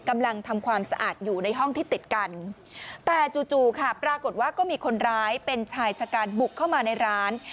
กำลังทำความสะอาดอยู่ในห้องที่ติดกันแต่จู่จู่ค่ะปรากฏว่าก็มีคนร้ายเป็นชายชะกันบุกเข้ามาในร้าน